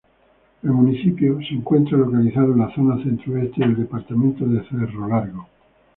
El municipio se encuentra localizado en la zona centro-oeste del departamento de Cerro Largo.